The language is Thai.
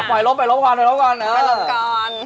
ปล่อยรถไปรถก่อน